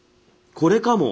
これかも。